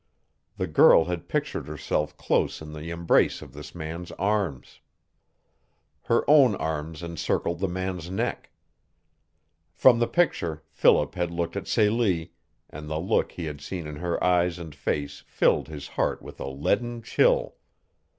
The girl had pictured herself close in the embrace of this man's arms. Her own arms encircled the man's neck. From the picture Philip had looked at Celie, and the look he had seen in her eyes and face filled his heart with a leaden chill.